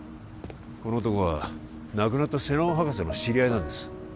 この男は亡くなった瀬能博士の知り合いなんです